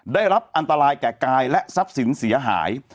ได้รับอันตรายแก่กายและทรัพย์สินเสียหาย